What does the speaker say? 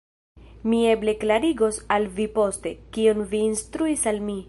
Mi eble klarigos al vi poste, kion vi instruis al mi.